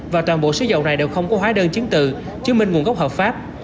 và toàn bộ số dầu này đều không có hóa đơn chứng từ chứng minh nguồn gốc hợp pháp